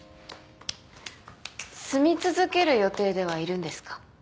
住み続ける予定ではいるんですか？